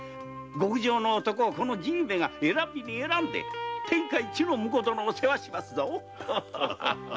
極上の男をこのじぃめが選びに選んで天下一の婿どのを世話しますぞ。